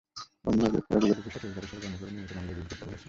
অন্য অভিযোগের বিষয়টি এজাহার হিসেবে গণ্য করে নিয়মিত মামলা রুজু করতে বলেছেন।